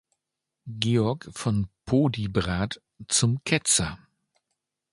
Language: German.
Georg von Podiebrad zum Ketzer.